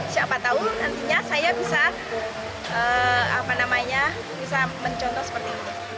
siapa tahu nantinya saya bisa mencontoh seperti ini